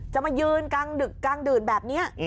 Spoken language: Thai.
มายืนกลางดึกกลางดื่นแบบนี้